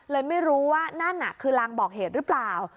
เลยไม่รู้ว่านั่นคือลางบอกเหตุหรือเปล่า